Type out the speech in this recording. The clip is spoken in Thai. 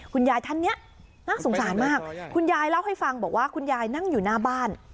คุณยายท่านนี้น่าสงสารมากคุณยายเล่าให้ฟังบอกว่าคุณยายนั่งอยู่หน้าบ้าน